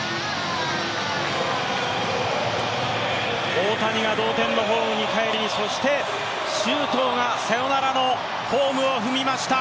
大谷が同点のホームに帰り、そして周東がサヨナラのホームを踏みました。